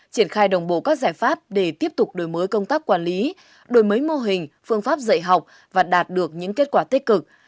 triển khai đồng bộ các giải pháp để tiếp tục đổi mới công tác quản lý đổi mới mô hình phương pháp dạy học và đạt được những kết quả tích cực